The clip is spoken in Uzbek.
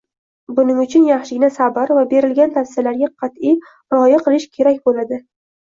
Buning uchun yaxshigina sabr va berilgan tavsiyalarga qatʼiy rioya qilish kerak bo‘ladi.